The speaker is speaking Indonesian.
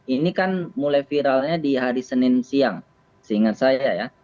ini kan mulai viralnya di hari senin siang seingat saya ya